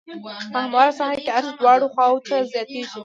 په همواره ساحه کې عرض دواړو خواوو ته زیاتیږي